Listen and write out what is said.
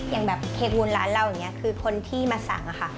อย่างแบบเคบูนร้านเราอย่างนี้คือคนที่มาสั่งอะค่ะ